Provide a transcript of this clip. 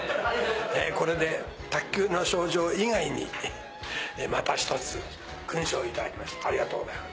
これで卓球の賞状以外にまた１つ勲章を頂きましたありがとうございます。